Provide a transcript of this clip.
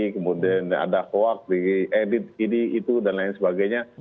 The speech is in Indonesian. kemudian ada hoak di edit ini itu dan lain sebagainya